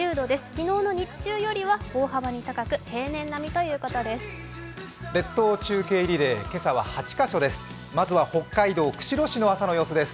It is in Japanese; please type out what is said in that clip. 昨日の日中よりは大幅に高く平年並みということです。